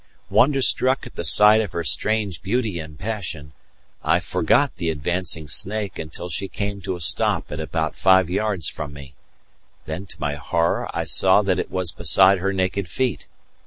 Wonder struck at the sight of her strange beauty and passion, I forgot the advancing snake until she came to a stop at about five yards from me; then to my horror I saw that it was beside her naked feet.